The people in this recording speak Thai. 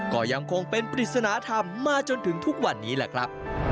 ก็ยังคงเป็นปริศนธรรมมาจนถึงทุกวันนี้แหละครับ